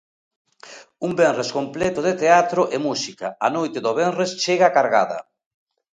Un venres completo de teatro e música: a noite do venres chega cargada.